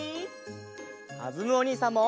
かずむおにいさんも！